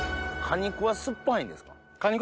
果肉は酸っぱいです。